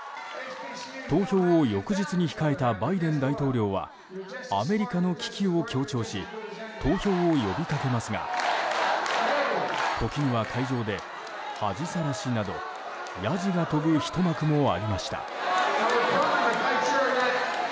投票を翌日に控えたバイデン大統領はアメリカの危機を強調し投票を呼びかけますが時には会場で恥さらしなどやじが飛ぶひと幕もありました。